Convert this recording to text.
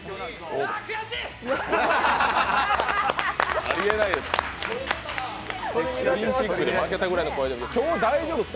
オリンピックで負けたくらいの顔で。